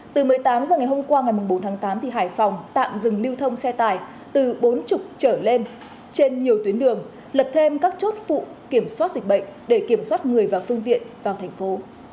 từ một mươi tám h ngày hôm qua ngày bốn tháng tám hải phòng tạm dừng lưu thông xe tải từ bốn mươi trở lên trên nhiều tuyến đường lập thêm các chốt phụ kiểm soát dịch bệnh để kiểm soát người và phương tiện vào thành phố